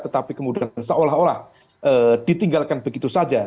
tetapi kemudian seolah olah ditinggalkan begitu saja